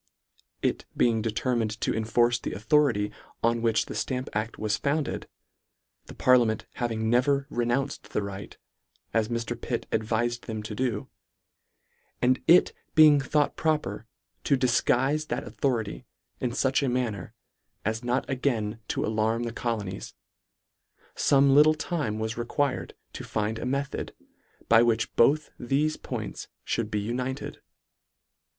It being determined to enforce the authority on which the Stamp acT: was founded, the parliament having never renounced the right, as Mr. Pitt ad vifed them to do ; and it being thought 80 LETTER VIII. proper to difguife that authority in fuch a manner, as not again to alarm the colo nies ; fome little time was required to find a method, by which both thefe points mould be united.